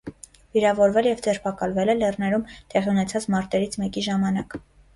Վիրավորվել և ձերբակալվել է՝լեռներում տեղի ունեցած մարտերից մեկի ժամանակ։